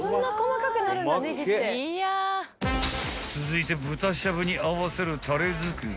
［続いて豚しゃぶに合わせるたれ作り］